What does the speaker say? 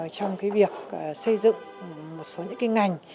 trong việc xây dựng một số những ngành